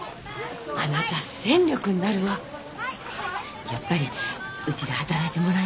あなた戦力になるわやっぱりうちで働いてもらえない？